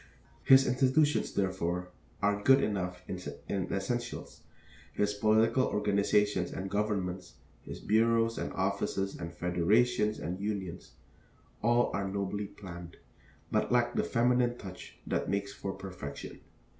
His institutions, therefore, are good enough in essentials; his political organizations and governments, his bureaus and offices and federations and unions, all are nobly planned, but lack the feminine touch that makes for perfection.